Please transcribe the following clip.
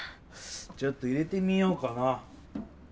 ちょっと入れてみようかな。